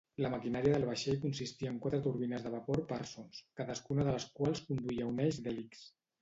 La maquinària del vaixell consistia en quatre turbines de vapor Parsons, cadascuna de les quals conduïa un eix d'hèlix.